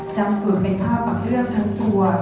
จำสูตรเป็นผ้าปักเลือกทั้งตัว